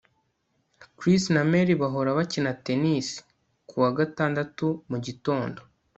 Chris na Mary bahora bakina tennis kuwa gatandatu mugitondo